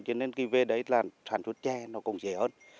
cho nên về đấy là sản xuất trè nó cũng dễ hơn